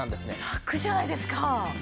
ラクじゃないですか。